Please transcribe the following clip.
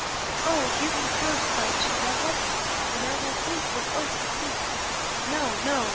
"Oh give me first," cried she, "that weapon, and I will take what oath you please!" "No, no!